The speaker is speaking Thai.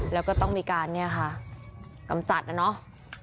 แล้วก็ต้องมีการเนี่ยค่ะกำจัดนะเนาะ